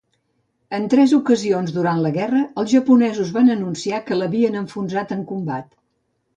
En tres ocasions durant la guerra, els japonesos van anunciar que l'havien enfonsat en combat.